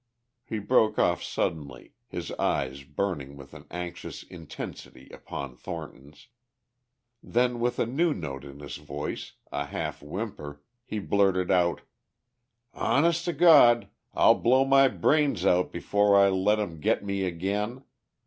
He broke off suddenly, his eyes burning with an anxious intensity upon Thornton's. Then, with a new note in his voice, a half whimper, he blurted out, "Hones' to Gawd, I'll blow my brains out before I let 'em get me again!